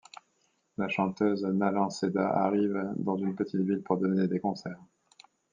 La chanteuse Nalan Şeyda arrive dans une petite ville pour donner des concerts.